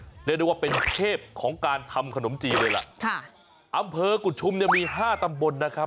เรียกได้ว่าเป็นเทพของการทำขนมจีนเลยละอำเภอกุธชุมมี๕ตำบลนะครับ